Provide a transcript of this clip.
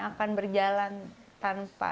akan berjalan tanpa